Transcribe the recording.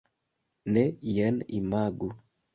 Ne, jen imagu!